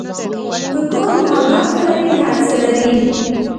که کور محبت ولري، هر څه لري.